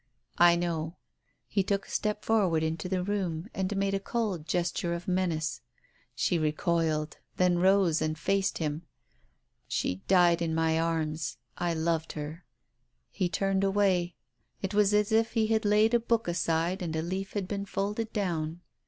" I know." He took a step forward into the room, and made a cold gesture of menace. She recoiled — then rose and faced him. "She died in my arms. I loved her." He turned away. It was as if he had laid a book aside and a leaf had been folded down.